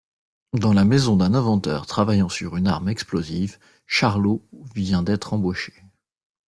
Dans la maison d'un inventeur travaillant sur une arme explosive, Charlot vient d'être embauché.